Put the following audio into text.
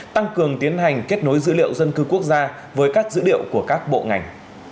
tăng cường tiến hành kết nối dữ liệu dân cư quốc gia với các dữ liệu của các bộ ngành